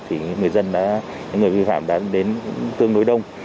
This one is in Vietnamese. thì người vi phạm đã đến tương đối đông